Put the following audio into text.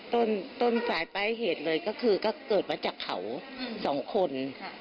ต้นสายปลายเหตุเลยก็คือก็เกิดมาจากเขาสองคน